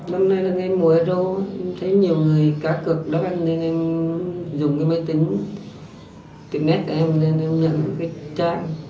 hôm nay là ngày mùa e rô thấy nhiều người cá cực đó nên em dùng cái máy tính tìm nét của em nên em nhận cái trang